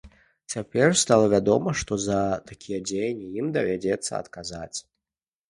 Цяпер стала вядома, што за такія дзеянні ім давядзецца адказаць.